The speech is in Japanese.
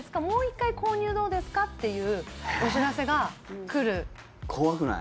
もう一回購入どうですかっていうお知らせがくる。